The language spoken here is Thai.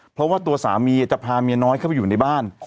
เพราะว่าตัวสามีจะพาเมียน้อยเข้าไปอยู่ในบ้าน